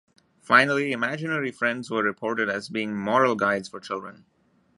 Finally, imaginary friends were reported as being moral guides for children.